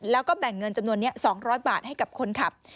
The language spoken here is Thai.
แล้วก็แบ่งเงินจำนวนนี้๒๐๐บาทให้กับคนขับ